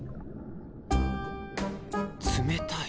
冷たい。